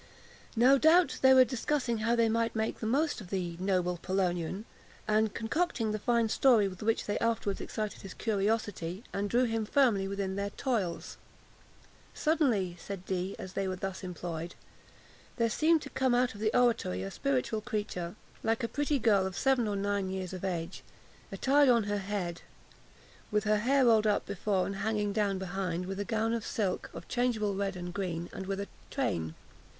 No doubt they were discussing how they might make the most of the "noble Polonian," and concocting the fine story with which they afterwards excited his curiosity, and drew him firmly within their toils. "Suddenly," says Dee, as they were thus employed, "there seemed to come out of the oratory a spiritual creature, like a pretty girl of seven or nine years of age, attired on her head, with her hair rolled up before and hanging down behind, with a gown of silk, of changeable red and green, and with a train.